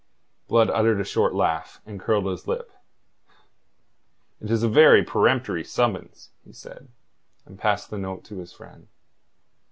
Blood uttered a short laugh, and curled his lip. "It is a very peremptory summons," he said, and passed the note to his friend.